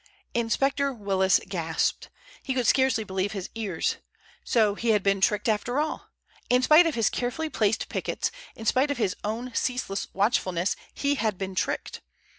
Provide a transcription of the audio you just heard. Inspector Willis gasped. He could scarcely believe his ears. So he had been tricked after all! In spite of his carefully placed pickets, in spite of his own ceaseless watchfulness, he had been tricked.